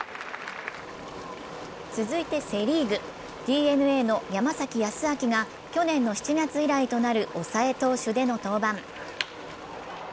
続いてセ・リーグ、ＤｅＮＡの山崎康晃が去年の７月以来となる抑え投手での登板。